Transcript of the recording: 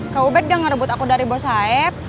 kak ubed yang ngerebut aku dari bos saeb